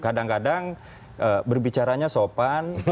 kadang kadang berbicaranya sopan